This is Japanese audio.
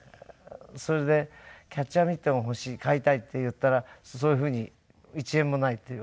それで「キャッチャーミットが欲しい！買いたい」って言ったらそういう風に「１円もない」って言われて。